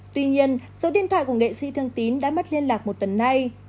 tuy nhiên số điện thoại của nghệ sĩ thương tín đã mất liên lạc một tuần nay